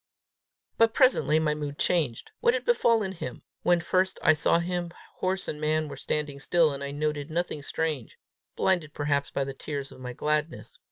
But presently my mood changed: what had befallen him? When first I saw him, horse and man were standing still, and I noted nothing strange, blinded perhaps by the tears of my gladness.